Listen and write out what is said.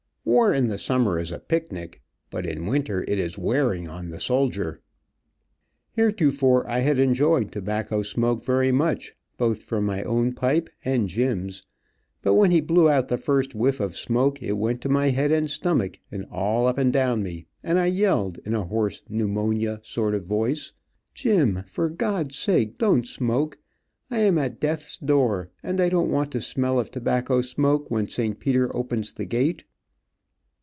War in the summer is a picnic, but in winter it is wearin on the soldier." Heretofore I had enjoyed tobacco smoke very much, both from my own pipe and Jim's, but when he blew out the first whiff of smoke it went to my head and stomach and all up and down me, and I yelled, in a hoarse, pneumonia sort of voice: "Jim, for God's sake don't smoke. I am at death's door, and I don't want to smell of tobacco smoke when St. Peter opens the gate."